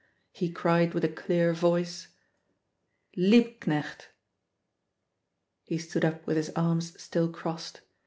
He cried with a clear voice "Liebknecht!" He stood up with his arms still crossed.